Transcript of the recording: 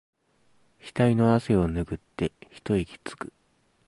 ひたいの汗をぬぐって一息つく